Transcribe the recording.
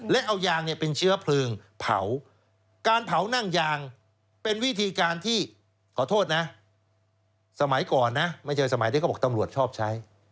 และเอายางเนี่ยเป็นเชื้อเพลิงเผาการเผานั่งยางเป็นวิธีการที่ขอโทษนะสมัยก่อนนะไม่ใช่สมัยที่เขาบอกตำรวจชอบใช้